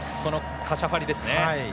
カシャファリですね。